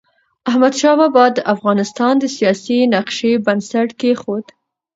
احمدشاه بابا د افغانستان د سیاسی نقشې بنسټ کيښود.